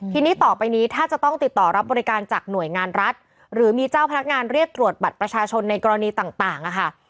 ทีนี้ต่อไปนี้ถ้าจะต้องติดต่อรับบริการจากหน่วยงานรัฐหรือมีเจ้าพนักงานเรียกตรวจบัตรประชาชนในกรณีต่างนะคะ